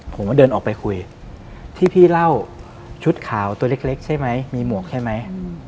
ผมก็เดินออกไปคุยที่พี่เล่าชุดขาวตัวเล็กใช่ไหมมีหมวกใช่ไหม